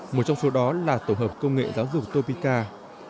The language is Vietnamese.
một trong số đó là tổ hợp công nghệ giáo dục topica